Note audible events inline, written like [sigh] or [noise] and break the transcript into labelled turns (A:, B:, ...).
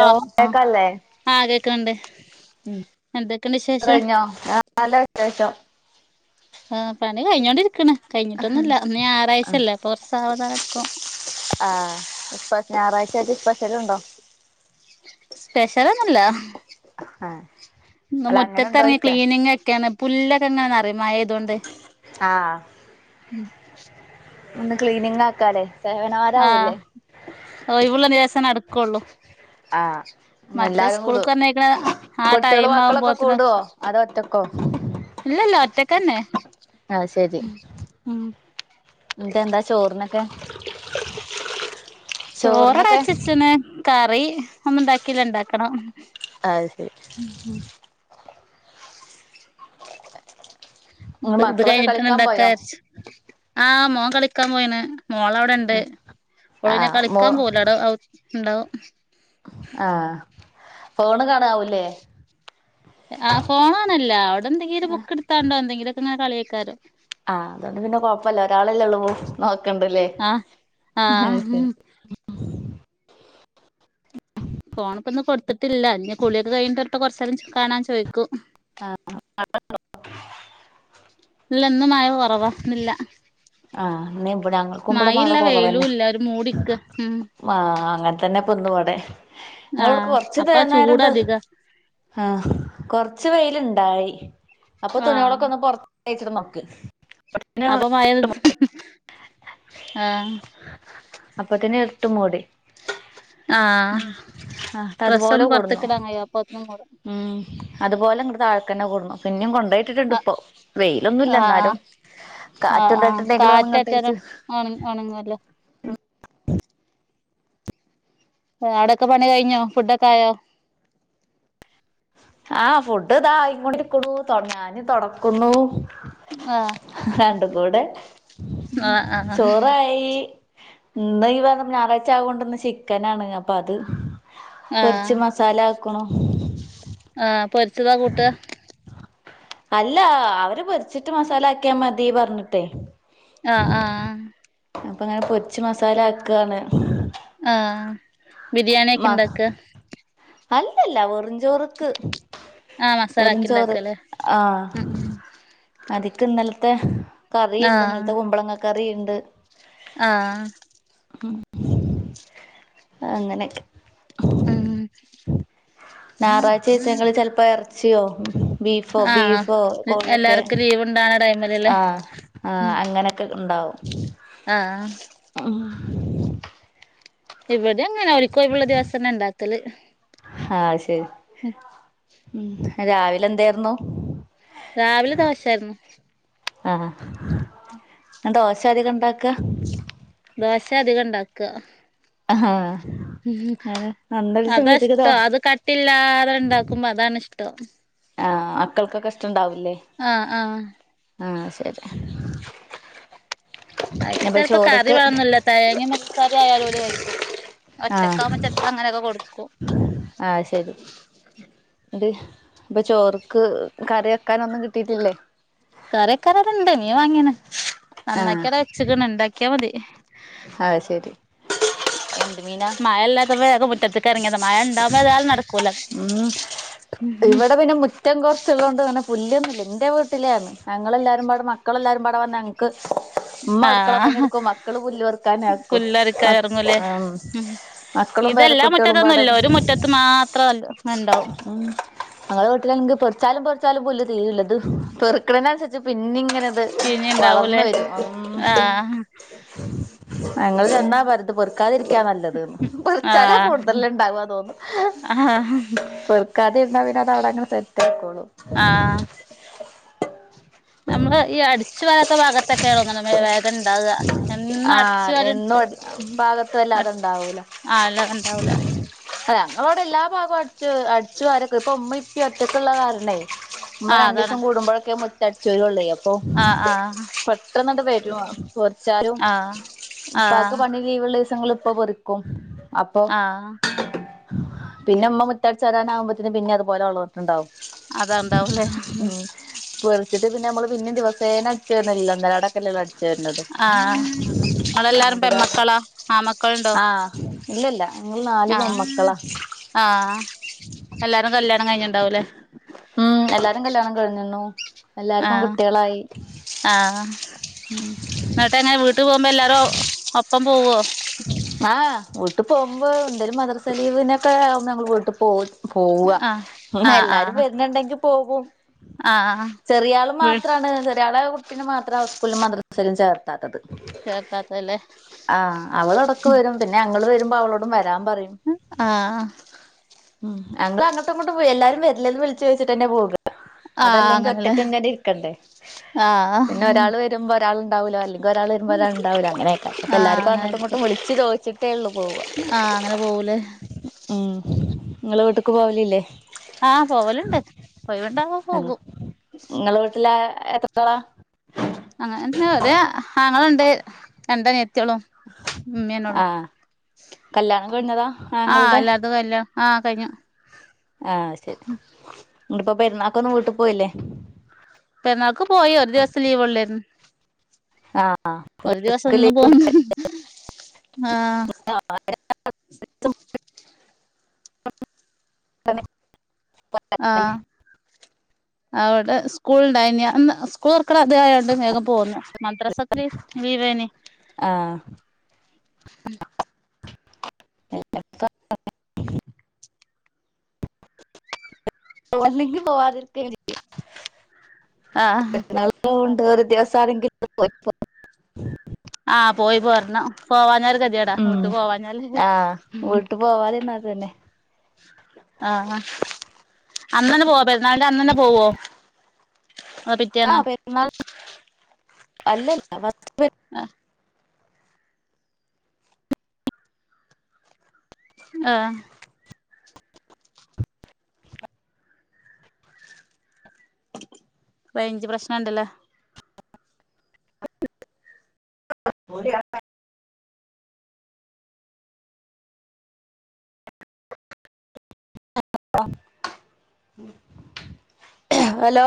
A: ആ ആ കേക്കനുണ്ട്
B: ഊണ് കഴിഞ്ഞോ ആ നല്ല വിശേഷം
A: ആ പണി കഴിഞ്ഞോണ്ടിരിക്കണ് കഴിഞ്ഞിട്ടൊന്നുമല്ലഇന്ന് ഞായറാഴ്ചല്ലേ കുറ സാവധാനം എടുക്കും
B: ആഇപ്പ ഞായറാഴ്ച ആയിട്ട് സ്പെഷ്യൽ ഉണ്ടോ
A: സ്പെഷ്യൽ ഒന്നും മില്ല
B: ആഹ് അല്ല
A: മുറ്റത്തിറങ്ങിയ
B: അങ്ങനെണ്ടോയ്ക്കാ
A: ക്ലീനിങ് ഒക്കെയാണ് പുല്ലക്കെങ്ങന്ന് നറയും മഴ ആയതുകൊണ്ട്
B: ആഹ്
A: ഉം
B: ഇന്ന് ക്ലിനിങ് ആക്കാലെ സേവനവാരം ആകൂല്ലേ
A: ഒഴിവ് ഉള്ള ദിവസമേ നടക്കുള്ളൂ
B: ആഹ് എല്ലാവാരും കൂടു
A: പറഞ്ഞയക്കണ ആ
B: കുട്ടികള്
A: ടൈം
B: മക്കളൊക്കെ കൂടുവോ അതോ ഒറ്റക്കോ
A: ഇല്ലഇല്ല ഒറ്റക്ക് തന്നെ
B: അയ് ശരി എന്താ ചോറിനൊക്കെ
A: ചോറ് ഇവിടെ
B: ചോറിനൊക്കെ
A: വച്ചു വച്ചേക്കനേ കറി ഒന്ന ഉണ്ടാക്കില്ല ഇണ്ടാക്കണം
B: അത് ശരി
A: ഉം ഉം ഇത്
B: മക്കളൊക്കെ
A: കഴിഞ്ഞിട്ട
B: കളിക്കാൻ
A: ഇണ്ടാക്കാ
B: പോയോ
A: വിചാരിച്ചു ആഹ് മോൻ കളിക്കാൻ പോയിന മോള് അവിടെ ഉണ്ട് മോള് പിന്നെ
B: ആഹ് മോ
A: കളിക്കാൻ പോവില്ല അവിടെ ഉണ്ടാവും
B: ആ ഫോണ് കാണാവൂല്ലേ
A: ആ ഫോണാണല്ലോ അവിടെ എന്തെങ്കിലും ബുക്ക് എടുത്താണ്ടോ എന്തെങ്കിലുമൊക്കെ ഇങ്ങനെ കളിയെക്കാരോ
B: ആഹ് അതൊണ്ട് പിന്നെ കൊഴപ്പല്ല ഒരാളല്ലേ ഉള്ളൂ പോ നോക്കണ്ടല്ലേ
A: ആഹ് ആഹ്
B: ശരി
A: ഫോണൊക്കെ ഒന്നും കൊടുത്തിട്ടില്ല ഇ കുളിയൊക്കെ കഴിഞ്ഞിട്ട് കുറച്ച്നേരം കാണാൻ ചോദിക്കു
B: [unintelligible]
A: ഇല്ല ഇന്ന് മഴ കുറവാ ഇന്നില്ല
B: ആഹ് ഇന്ന് ഇവിടെ ഞങ്ങൾക്കും ഇവിടെ മഴ
A: മഴഇല്ല വെയിലും
B: കുറവന്നെ
A: ഇല്ല ഒരു മൂടിക്ക് ഉം
B: ആഹ് അങ്ങനെ തന്നെ പ്പന്ന് വടെ ഇങ്ങളോടെക്ക്
A: ആഹ്
B: കൊറച്ച് തേ
A: അപ്പൊ
B: നേരം
A: ചൂട്
B: ത്
A: അധികാ
B: ആഹ് കൊറച്ച് വെയിൽ ഇണ്ടായി അപ്പൊ
A: ആഹ്
B: തുണിളൊക്കെ ഒന്ന് പൊറ എയ്ച്ചിടുന്നൊക്കിം
A: അപ്പൊ മഴ പെയ്തു ആഹ്
B: അപ്പത്തിന്നെ ഇരുട്ട് മൂടി
A: ആഹ്
B: ആഹ് അതുപോലെ
A: ഡ്രസ്സൊന്നും
B: കൊടുന്നു
A: പൊറത്തിക്കിടാൻ വയ്യ അപ്പത്തിനും കൂടെ
B: ഉം അതുപോലെ ഇങ്കട് താഴേക്കന്നെ കൊടന്നു പിന്നേം കൊണ്ടോയി ട്ടിട്ടുണ്ട്
A: ആഹ്
B: ഇപ്പോ വെയിലൊന്നുല്ല
A: ആഹ്
B: ഇന്നാലും കാറ്റ്
A: ആഹ് ആഹ്
B: കൊണ്ടായിട്ടുണ്ടെങ്കിലും ഒണങ്ങട്ടെച്ചു
A: കാറ്റച്ചാലും ഒണ ഒണങ്ങവല്ലോ എ് അവിടെക്കെ പണി കഴിഞ്ഞോ ഫുഡൊക്കെ ആയോ
B: ആഹ് ഫുഡ് ദാ ആയിങ്ങൊണ്ടിരിക്കുണു തൊട ഞാന് തൊടക്കുന്നു
A: ആഹ്
B: രണ്ടും കൂടെ ഉം
A: ആഹ് ആഹ്
B: ചോറായി ഇന്ന് യിവറഞ്ഞ് ഞായറാഴ്ച ആവോണ്ട് ഇന്ന് ചിക്കനാണ് അപ്പൊ അത് പൊരിച്ച്
A: ആഹ്
B: മസ സാല ആക്കുണു
A: ആഹ് പൊരിച്ചതാ കൂട്ടാ
B: അല്ല അവര് പൊരിച്ചിട്ട് മസാല ആക്കിയാ മതി പറഞ്ഞിട്ടെ
A: ആഹ് ആഹ് ആഹ്
B: അപ്പ അങ്ങനെ പൊരിച്ച് മസാല ആക്കാണ്
A: ആഹ് ബിരിയാണി ഒക്കെ
B: മ
A: ഇണ്ടാക്ക
B: അല്ലല്ല വെറും ചോറ് ക്ക്
A: ആഹ് മസാല
B: വെറും
A: ആക്കി
B: ചോറ്
A: ഇണ്ടാക്കല്ലേ
B: ആഹ്
A: ഉം ഉം
B: അതിക്ക് ഇന്നലത്തെ കറിണ്ട്
A: ആഹ്
B: ഇന്നലത്തെ കുമ്പളങ്ങ കറി ഇണ്ട്
A: ആഹ്
B: അങ്ങനെക്കെ
A: ഉം
B: ഞായറാഴ്ച്ചിസങ്ങള് ചെൽ പ്പ എറച്ചിയോ ബീഫോ
A: ആഹ്
B: ബീഫോ കോഴിയൊക്കെ
A: എല്ലാർക്കും ലീവ് ഉണ്ടാവണ ടൈമിലല്ലേ
B: ആഹ് ആഹ് അങ്ങനെ ക്കെ ഇണ്ടാവും
A: ആഹ്
B: ഉം
A: ഇവിടെ അങ്ങനെ അവരിക്കൊഴിവുള്ള ദിവസന്നെ ഇണ്ടാക്കല്
B: ആഹ് ശരി
A: ഉം
B: ഉം രാവിലെ എന്തേർന്നു
A: രാവിലെ ദോശാർന്നു
B: ആഹ് ഇങ്ങദോശ്യാ അധികം ഇണ്ടാക്ക
A: ദോശ്യാ അധികം ഇണ്ടാക്ക
B: ആഹ്
A: ഉംഹും
B: അന്നൊരു ദിവസം
A: അതാ
B: വിളിച്ചക്ക്
A: ഷ്ടം
B: ദോശ
A: അത് കട്ടില്ലാതിണ്ടാക്കുമ്പോ അതാണിഷ്ടം
B: ആഹ് മക്കൾക്കൊക്കെ ഇഷ്ടണ്ടാവുല്ലേ
A: ആഹ് ആഹ്
B: ആഹ് ശരി
A: അയ്ക്ക്
B: അപ്പൊ
A: ചെലപ്പോ കറി
B: ചോറ്ക്ക്
A: വേണന്നില്ല തേങ്ങേം പഞ്ചസാരേം ആയാലും ഓല് കഴിക്കും
B: ആഹ്
A: ഒറ്റക്കവുമ്പോ ചെൽ പ്പോ അങ്ങനൊക്കെ കൊടുക്കും
B: ആഹ് ശരി ഇത് ഇപ്പൊ ചോർക്ക് കറി വെക്കാനൊന്നും കിട്ടിട്ടില്ലേ
A: കറി വെക്കാനാടഇണ്ട് മീൻ വാങ്ങീന്
B: ആഹ്
A: നന്നാക്കിയടെ വെച്ചക്കണ് ഇണ്ടാക്കിയാ മതി
B: അഹ് ശരി എന്ത് മീനാ
A: മഴല്ലാത്തപ്പോ വേഗം മുറ്റത്തിക്ക് എറങ്ങിയതാ മഴ ഇണ്ടാവുമ്പോ ഏതായാലുംനട
B: ഉം ഇവിടെ പിന്നെ മു റ്റം കൊറച്ചുള്ളോണ്ട് അങ്ങനെ പുല്ലൊന്നൂല്ല ഇൻ്റെ വീട്ടിലാണ് ഞങ്ങളെല്ലാരും പാടെ മക്കളെല്ലാരും പാടെ വന്ന ഞങ്ങക്ക് ഉമ്മ അടുക്കള പണി
A: ആഹ്
B: എടുക്കും മക്കള് പുല്ല് പെറുക്കാനാക്കും
A: പുല്ലറിക്കാൻ എറങ്ങൂലേ ഉം
B: മക്കളും പേര കുട്ടികളും പാടെ
A: ഇത് മാത്രല്ലോ
B: ഉം ഞങ്ങളെ വീട്ടിലാണെങ്കിൽ പൊറിച്ചാലും പൊറിച്ചാലും പുല്ലു തീരില്ലത് പെറുക്കണ അനുസരിച്ച് പിന്നെ ഇങ്ങനെത്
A: പിന്നിം
B: വളർന്ന്
A: ഇണ്ടാവൂലേ
B: വരും
A: ആഹ്
B: ഉംഞങ്ങൾ ചെന്നാ പരത്ത് പൊ ക്കാതിരിക്കാ നല്ലത് പറിച്ചാലാ
A: ആഹ്
B: കൂടുതല് ഉണ്ടാവാ തോന്നുന്നു
A: ആഹ്
B: പെറുക്കാതെ ഇരുന്ന പിന്നെ അത് അവിടെ അങ്ങനെ സെറ്റായിക്കോളും
A: ആഹ് നമ്മള് ഈ അടിച്ചു വാരാത്ത ഭാഗത്തു ത്തൊക്കെ തോന്ന്ണ് വേഗം ണ്ടാവ എന്നും അടിച്ച്
B: ആഹ്
A: വാരി
B: എന്നും ഭാഗത്തും വല്ലാതെ
A: ആ അല്ലാതെ ഉണ്ടാവൂല
B: ആ ഞങ്ങളവിടെ എല്ലാ ഭാഗവും അടിച്ചു അടിച്ചുവാരൊക്കെ ഇപ്പൊ ഉമ്മ ഇപ്പ ഒറ്റക്കെള്ള കാരണേ ഉമ്മ
A: ആഹ് അതാണ്
B: രണ്ടുസം കൂടുമ്പോഴൊക്കെ മുറ്റടിചോരോള്ളു അപ്പൊ
A: ആഹ് ആഹ്
B: ഇത്രങ്ങാണ്ട് വരും തൊടച്ചാലും
A: ആഹ്
B: ഉപ്പാക്ക്‌
A: ആഹ്
B: പണി ലീവ് ഉള്ള ദിവസങ്ങൾ ഇപ്പ പെറുക്കും അപ്പൊ
A: ആഹ്
B: പിന്നെ ഉമ്മ മുറ്റടിച്ചു വരാനാകുമ്പോത്തിന് പിന്നെ അതുപോലെ വളർന്നിട്ടുണ്ടാവും
A: അതണ്ടാവുല്ലേ
B: ഉം പൊറിച്ചിട്ട് പിന്നെ നമ്മള് പിന്നും ദിവസേന അടിച്ചു വാരുന്നില്ലല്ലോ അന്നേരം അവിടെ തല്ലേ അടിച്ചു വാരെണത്
A: ആഹ് നിങ്ങളെല്ലാരും
B: അത് കാരണം
A: പെമ്മക്കളാ ആമക്കളുണ്ടോ
B: ആഹ് ഇല്ലില്ല ഞങ്ങള് നാല്
A: ആഹ്
B: പെൺമക്കളാ
A: ആഹ് എല്ലാരും കല്യാണം കഴിഞ്ഞുണ്ടാവൂല്ലേ
B: ഉം എല്ലാരും കല്യാണം കഴിഞ്ഞിണ് എല്ലാർക്കും
A: ആഹ്
B: കുട്ടികളായി
A: ആഹ്
B: ഉം
A: എന്നിട്ട് എങ്ങനെ വീട്ടു പോകുമ്പോ എല്ലാരും ഒപ്പം പോവോ
B: ആഹ് വീട്ടിൽ പോകുമ്പോ എന്തേലും മദ്രസ ലീവിനൊക്കെകുമ്പോ ഞങ്ങൾ വീട്ടിൽ പോകും പോവാ
A: ആഹ് ആഹ്
B: എല്ലാരും
A: ആഹ്
B: വരുന്നുണ്ടെങ്കി പോകും
A: ആഹ്
B: ചെറിയാള്
A: വീ
B: മാത്രാണ് ചെറിയാളെ കുട്ടീനെ മാത്ര സ്കൂളിലും മദ്രസ- യിലും ചേർത്താത്തത്
A: ചേർത്താത്തല്ലേ
B: ആഹ് അവളേടക്ക്‌ ക്ക്‌ വരും പിന്നെ ഞങ്ങൾ വരുമ്പോ അവളോടും വരാൻ പറയും
A: ആഹ്
B: ഉം ഞങ്ങൾ അങ്ങോട്ടും ഇങ്ങോട്ടും പോയി എല്ലാവരും വരില്ലേന്ന് വിളിച്ച് ചോയിച്ചിട്ട് ന്നെ പോവുക
A: ആഹ്
B: അതല്ലെങ്കിൽ
A: അങ്ങനെല്ലേ
B: ഒറ്റക്ക് ഇങ്ങനെ ഇരിക്കണ്ടേ
A: ആഹ്
B: പിന്നെ ഒരാൾ വര്- വരുമ്പ ഒരാൾ ഉണ്ടാവൂല്ല അല്ലങ്കിൽ ഒരാൾ വരുമ്പോ ഒരാള്ണ്ടാവൂല്ല അങ്ങനൊക്കെ അപ്പ
A: ആഹ്
B: എല്ലാവരുംക്ക്‌ അങ്ങട്ട്
A: അങ്ങനായിരിക്കും
B: ഇങ്ങട്ടും വിളിച്ച് ചോദിച്ചി ട്ടെ ഉള്ളു പോവ
A: ആഹ് അങ്ങനെ പോവൂലേ
B: ഉം നിങ്ങള് വീട്ട്ക്ക് പോവലില്ലേ
A: ആഹ് പോവലുണ്ട് ഒഴിവുണ്ടാകുമ്പോൾ പോകും
B: നിങ്ങളെ വീട്ടില് എത്ര ആളുകള
A: അങ്ങ ഒര് ആങ്ങളണ്ട് രണ്ട് അനിയത്തികളും ഉമ്മനൊള്ളു
B: ആഹ് കല്യാണം കഴിഞ്ഞതാ
A: ആഹ്
B: ആങ്ങളുടെ
A: എല്ലാതും കല്യാ ആഹ് കഴിഞ്ഞു
B: ആഹ് ശരി ഇങ്ങ ഇപ്പോ പെരുന്നാക്കൊന്നും വീട്ടിൽ പോയില്ലേ
A: പെരുന്നാൾക്ക് പോയി ഒരു ദിവസം ലീവ്ള്ളായിരുന്നു
B: ആഹ്
A: ഒരു ദിവസം നിന്ന് പോന്നു ആഹ്
B: [inaudible]
A: ആഹ് അവിടെ സ്കൂള്ണ്ടായിന് സ്കൂൾ തുറക്കണ ആയോണ്ട് വേഗം പോന്നു മദ്രസക്ക്‌ ലീവാണ്
B: ആഹ് [inaudible] പോവില്ലെങ്കി പോവാതിരിക്കയും ചെയ്യും
A: ആഹ്
B: ഡോണ്ട് വറി വിദ്യസാരംഗിൽ പോയപ്പൊ
A: ആഹ് പോയി പോരണം പോവാഞ്ഞാല് ഗതികേടാ
B: ഉം
A: വീട്ട് പോവാഞ്ഞാല്
B: ആഹ് വീട്ടു അത് ന്ന പോവാതിരുന്ന ത് ന്നെ
A: ആഹാ അന്ന് തന്നെ പോവാ പെരുന്നാളിന്റെ അന്നെന്ന പോവോ അപി
B: ആഹ് പെരുന്നാൾ അല്ലല്ല ഫസ്റ്റ്
A: അ ആഹ് റൈഞ്ച് പ്രശ്നംണ്ട്ല്ലേ
B: [inaudible] അപ്പം ഹലോ